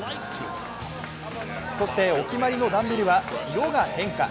そしてお決まりのダンベルは色が変化。